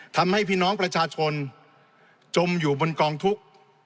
ทำให้พี่น้องประชาชนจมอยู่บนกองทุกข์